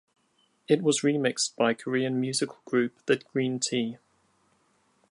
It was remixed by Korean musical group The Green Tea.